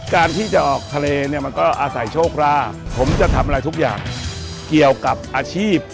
การที่จะออกทะเลเนี่ยมันก็อาศัยโชคราบผมจะทำอะไรทุกอย่างเกี่ยวกับอาชีพ